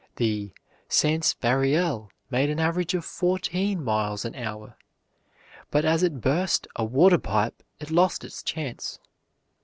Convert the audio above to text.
The "Sanspareil" made an average of fourteen miles an hour, but as it burst a water pipe it lost its chance.